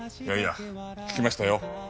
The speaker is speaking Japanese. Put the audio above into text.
いやいや聞きましたよ。